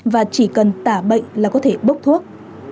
và chỉ cần tả bệnh là có thể bốc thuốc